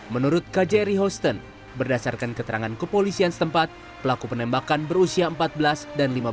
menurut kjri houston berdasarkan keterangan kepolisian setempat pelaku penembakan berusia empat belas dan